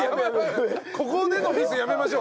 ここでのミスやめましょう。